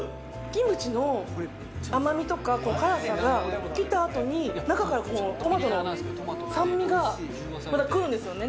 キムチの甘みとか辛さがきたあとに中からこのトマトの酸味がまたくるんですよね